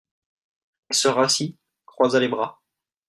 Il se rassit, croisa les bras.